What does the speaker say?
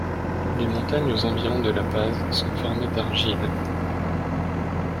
Les montagnes aux environs de la Paz sont formées d'argiles.